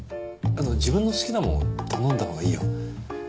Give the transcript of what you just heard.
自分の好きなものを頼んだ方がいいよ。